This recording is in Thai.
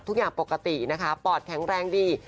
ทุกอย่างปกตินะคะปอดแข็งแรงดี